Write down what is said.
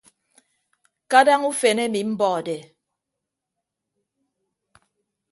Kadaña ufen emi mbọde.